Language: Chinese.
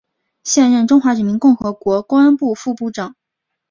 现任中华人民共和国公安部副部长。